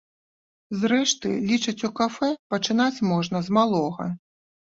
Зрэшты, лічаць у кафэ, пачынаць можна з малога.